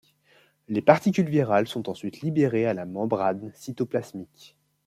Les particules virales sont ensuite libérées à la membrane cytoplasmique.